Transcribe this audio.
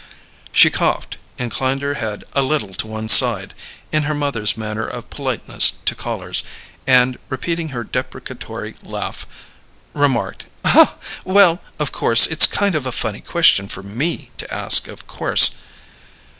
She coughed, inclined her head a little to one side, in her mother's manner of politeness to callers, and, repeating her deprecatory laugh, remarked: "Well, of course it's kind of a funny question for me to ask, of course."